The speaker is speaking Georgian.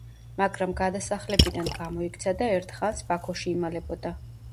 მაგრამ გადასახლებიდან გამოიქცა და ერთ ხანს ბაქოში იმალებოდა.